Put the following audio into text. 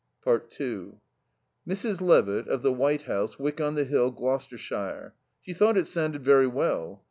2 Mrs. Levitt, of the White House, Wyck on the Hill, Gloucestershire. She thought it sounded very well.